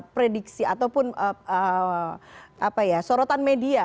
prediksi ataupun sorotan media